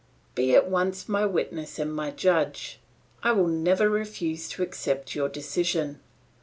"Be at once my witness and my judge; I will never refuse to accept your decision.